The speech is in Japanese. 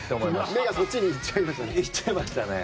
目がそっちに行っちゃいましたね。